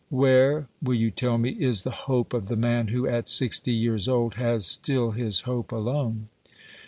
Where, will you tell me, is the hope of the man who at sixty years old has still his hope alone